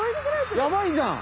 やばいじゃん！